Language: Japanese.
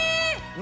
何。